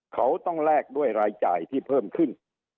เขาต้องแลกด้วยรายจ่ายที่เพิ่มขึ้น